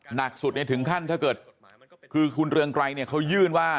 หนักสุดถึงขั้นคือคุณเรืองไกรเขายื่นว่า